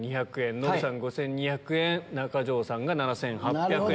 ノブさん５２００円中条さんが７８００円。